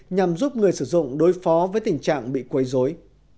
nhằm giúp người sử dụng đối phó với tình trạng bị quấy dối